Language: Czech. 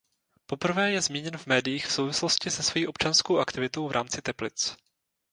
Poprvé je zmíněn v médiích v souvislosti se svojí občanskou aktivitou v rámci Teplic.